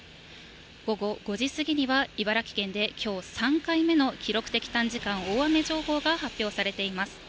午後５時過ぎには、茨城県できょう３回目の記録的短時間大雨情報が発表されています。